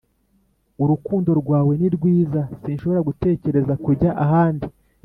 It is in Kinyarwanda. urukundo rwawe ni rwiza sinshobora gutekereza kujya ahandi